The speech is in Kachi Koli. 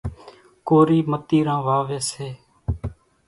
ڪورِي متيران واويَ سي۔